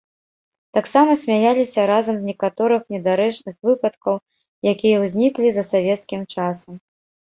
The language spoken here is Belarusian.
Таксама смяяліся разам з некаторых недарэчных выпадкаў, якія ўзніклі за савецкім часам.